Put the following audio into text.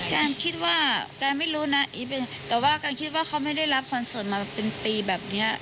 การคิดว่าการไม่รู้นะอีฟเองแต่ว่าการคิดว่าเขาไม่ได้รับคอนเสิร์ตมาเป็นปีแบบนี้